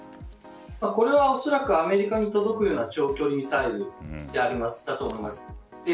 これは恐らくアメリカに届くような長距離ミサイルだと思います。